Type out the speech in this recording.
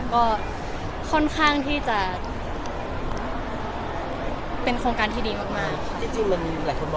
ก็ค่อนข้างที่จะเป็นโครงการที่ดีมากค่ะ